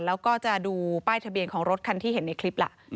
แล้วก็จะดูป้ายทะเบียนของรถคันที่เห็นในคลิปล่ะ